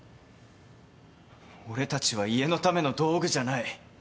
俺たちは家のための道具じゃない。